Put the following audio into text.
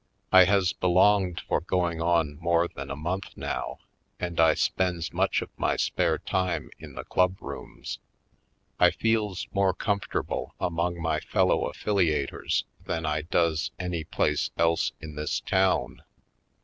I has belonged for going on more than a month now and I spends much of my spare Black Belt 141 time in the club rooms. I feels more com fortable among my fellow affiliators than I does any place else in this town.